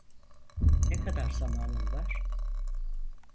Ne kadar zamanın var?